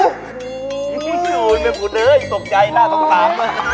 โหนี่ไปผู้เนื้ออีกตกใจหน้าต้องพำ